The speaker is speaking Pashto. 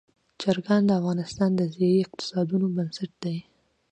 چرګان د افغانستان د ځایي اقتصادونو بنسټ دی.